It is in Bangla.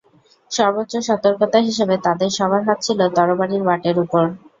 সর্বোচ্চ সতর্কতা হিসেবে তাদের সবার হাত ছিল তরবারির বাটের উপর।